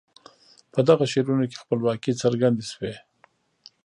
په دغو شعرونو کې خپلواکي څرګند شوي.